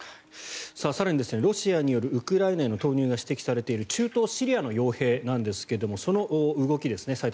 更に、ロシアによるウクライナへの投入が指摘されている中東シリアの傭兵なんですがその動きですね。